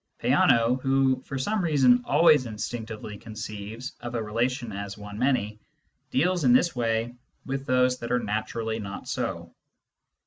Peano, who for some reason always instinctively conceives of a relation as one many, deals in this way with those that are naturally not so.